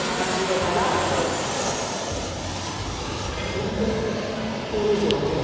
本当にほうれん草だけだ。